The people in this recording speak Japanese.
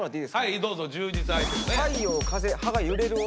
はいどうぞ充実アイテム。